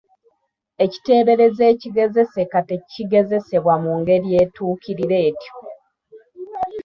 Ekiteeberezo ekigezeseka tekigezebwa mu ngeri etuukira etyo.